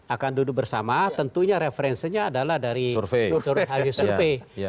akan duduk bersama tentunya referensinya adalah dari hasil survei